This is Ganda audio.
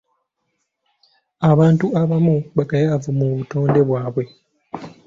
Abantu abamu bagayaavu mu butonde bwabwe.